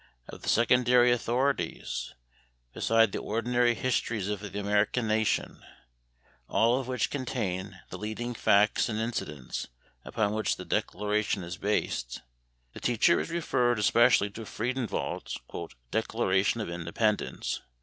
Of the secondary authorities, beside the ordinary histories of the American nation, all of which contain the leading facts and incidents upon which the Declaration is based, the teacher is referred especially to Friedenwald's "Declaration of Independence."